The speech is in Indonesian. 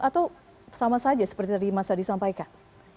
atau sama saja seperti tadi mas adi sampaikan